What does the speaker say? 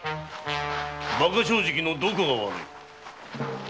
バカ正直のどこが悪い。